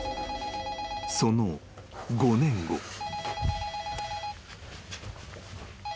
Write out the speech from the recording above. ［その５年後］